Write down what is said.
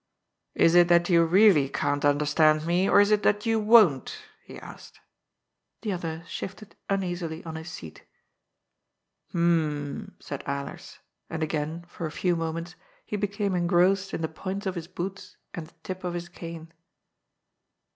" Is it that you really can't understand me, or is it that you won't?" he asked. The other shifted uneasily on his seat. " Hum," said Alers, and again, for a few moments, he 128 GOD'S FOOL. became engrossed in the points of his boots and the tip of his cane.